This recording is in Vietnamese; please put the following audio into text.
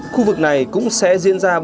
khu vực này cũng sẽ diễn ra